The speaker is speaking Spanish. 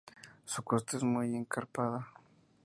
Su costa es muy escarpada.